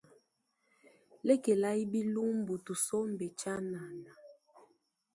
Lekelayi bilumbu tusombe tshianana.